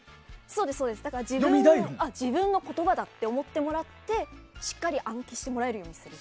だから、自分の言葉だと思ってもらえてしっかりと暗記してもらえるようにする。